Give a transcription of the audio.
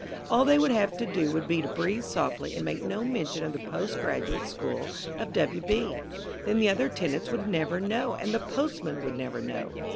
All they would have to do would be to breathe softly and make no mention of the Post Graduate School of W. B. Then the other tenants would never know, and the postman would never know.